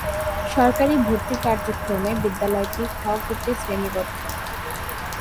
সরকারি ভর্তি কার্যক্রমে বিদ্যালয়টি "খ" গ্রুপে শ্রেণিবদ্ধ।